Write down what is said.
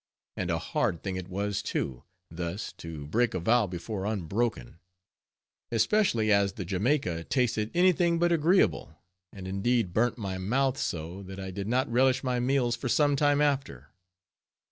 And a hard thing it was, too, thus to break a vow before unbroken; especially as the Jamaica tasted any thing but agreeable, and indeed burnt my mouth so, that I did not relish my meals for some time after.